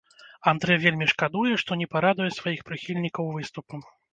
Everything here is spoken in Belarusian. Андрэ вельмі шкадуе, што не парадуе сваіх прыхільнікаў выступам.